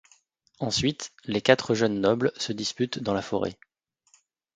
Ensuite, les quatre jeunes nobles se disputent dans la forêt.